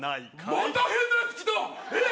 また変なやつ来たえっ？